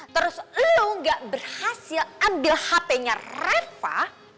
terus lo ga berhasil ambil hpnya reva